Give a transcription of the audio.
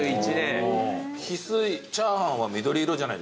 翡翠チャーハンは緑色じゃないですか。